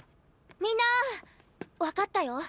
みんな分かったよ。